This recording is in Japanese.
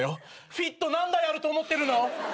ＦＩＴ何台あると思ってるの？